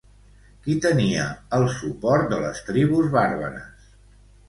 Qui tenia el suport de les tribus bàrbares?